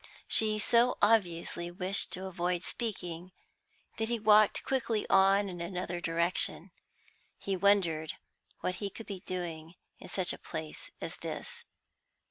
She so obviously wished to avoid speaking, that he walked quickly on in another direction. He wondered what she could be doing in such a place as this.